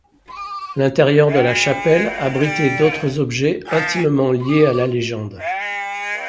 L'intérieur de la chapelle abritait d'autres objets intimement liés à la légende.